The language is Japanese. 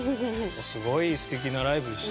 すごい素敵なライブでしたね。